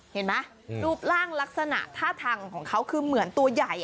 เห็นไหมรูปร่างลักษณะท่าทางของเขาคือเหมือนตัวใหญ่